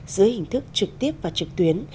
dưới hình thức trực tiếp và trực tuyến